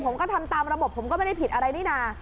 ผมก็ทำตามระบบผมก็ไม่ได้ผิดอะไรนี่นะ